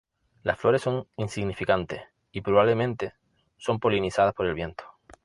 Las flores son insignificantes y, probablemente, son polinizadas por el viento.